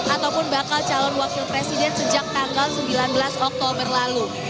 ataupun bakal calon wakil presiden sejak tanggal sembilan belas oktober lalu